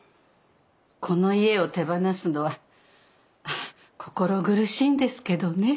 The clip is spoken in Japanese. この家を手放すのは心苦しいんですけどね。